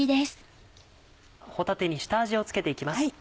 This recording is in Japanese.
帆立に下味を付けて行きます。